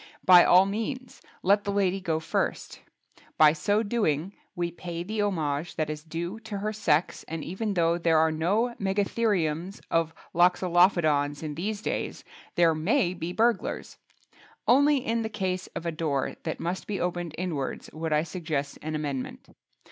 By all means let the lady go first; by so doing we pay the homage that is due to her sex and even though there are no Megatheriums of Loxolophodons in these days—there may be burglars! Only in the case of a door that must be opened inwards would I suggest an amendment.